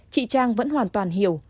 chị trang vẫn hoàn toàn hiểu